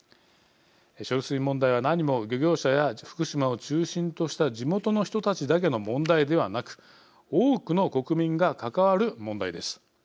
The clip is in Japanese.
処理水問題は、なにも漁業者や福島を中心とした地元の人たちだけの問題ではなく多くの国民が関わる問題です。